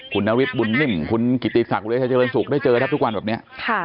คุณนาวิทย์บุญนิมคุณกิติศักดิ์เวียชาเจริญสุกได้เจอแทบทุกวันแบบนี้